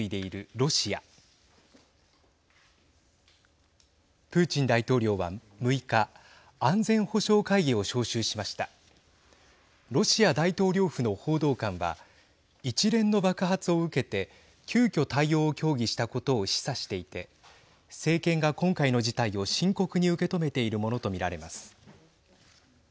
ロシア大統領府の報道官は一連の爆発を受けて急きょ、対応を協議したことを示唆していて政権が今回の事態を深刻に受け止めているものと見られます。